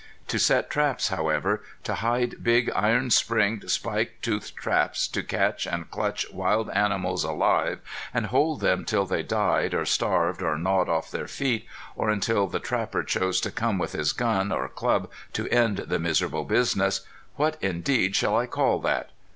To set traps, however, to hide big iron springed, spike toothed traps to catch and clutch wild animals alive, and hold them till they died or starved or gnawed off their feet, or until the trapper chose to come with his gun or club to end the miserable business what indeed shall I call that?